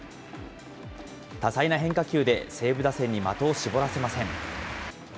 多彩な変化球で西武打線に的を絞らせません。